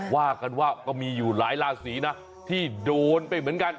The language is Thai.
ว่ากันว่าก็มีอยู่หลายราศีนะที่โดนไปเหมือนกัน